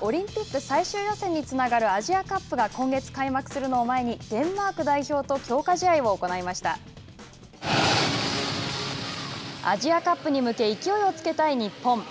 オリンピック最終予選につながるアジアカップが今月、開幕するのを前にデンマーク代表とアジアカップに向け勢いをつけたい日本。